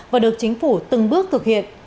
và được chính phủ từng bước thực hiện